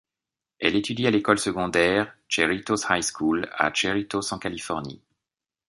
Elle étudie à l'école secondaire Cerritos High School à Cerritos, en Californie.